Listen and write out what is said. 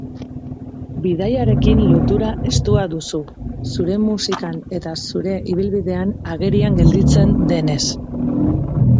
Bidaiarekin lotura estua duzu, zure musikan eta zure ibilbidean agerian gelditzen denez.